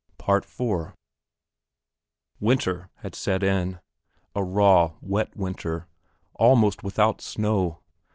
Part IV Winter had set in a raw, wet winter, almost without snow.